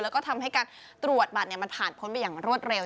แล้วก็ทำให้การตรวจบัตรมันผ่านพ้นไปอย่างรวดเร็ว